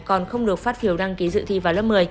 còn không được phát phiếu đăng ký dự thi vào lớp một mươi